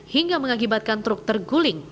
hingga mengakibatkan truk terguling